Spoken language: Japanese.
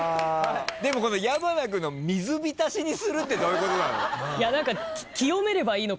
でもこの矢花君の「水びたしにする」ってどういうことなの？